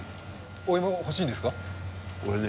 お芋欲しいんですか？